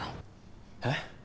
えっ？